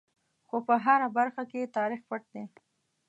خو په هره برخه کې یې تاریخ پټ دی.